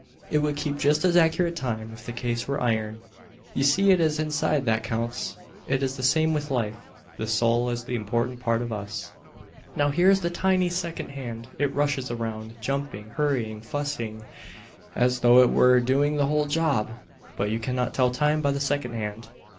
It would keep just as accurate time if the case were iron. You see it is the inside that counts. It is the same with life. The soul is the important part of us. Now here is the tiny second hand. It rushes around, jumping, hurrying, fussy, as though it were doing the whole job. But you cannot tell time by the second hand.